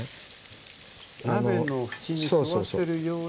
鍋の縁に沿わせるように。